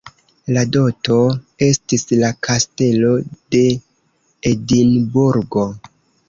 La doto estis la Kastelo de Edinburgo.